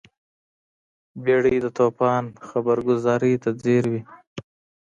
بیړۍ د توپان خبرګذارۍ ته ځیر وي.